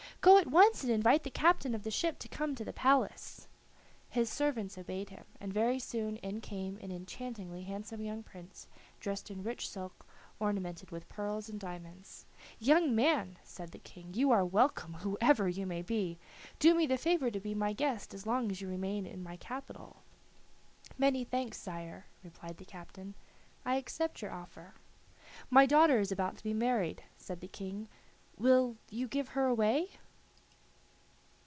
Go at once and invite the captain of the ship to come to the palace." His servants obeyed him, and very soon in came an enchantingly handsome young prince, dressed in rich silk, ornamented with pearls and diamonds. "Young man," said the King, "you are welcome, whoever you may be. Do me the favor to be my guest as long as you remain in my capital." "Many thanks, sire," replied the captain, "I accept your offer." "My daughter is about to be married," said the King; "will you give her away?"